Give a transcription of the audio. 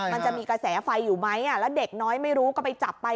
มันจะมีกระแสไฟอยู่ไหมแล้วเด็กน้อยไม่รู้ก็ไปจับไป